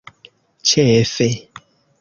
ĉefe